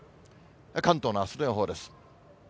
関東のあすの予報です。